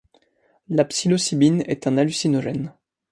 La psilocybine est un hallucinogène.